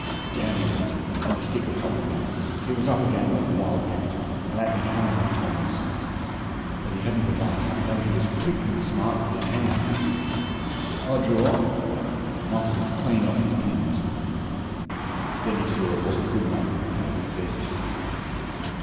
Down he went and the stick atop of him. He was up again like a wild cat, and at me hammer and tongs but he hadn't the weight, though he was quick and smart with his hands. I drew off and knocked him clean off his pins. Then he saw it wasn't good enough, and gave it best.